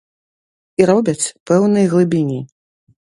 І робяць пэўнай глыбіні.